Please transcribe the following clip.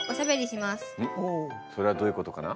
それはどういうことかな？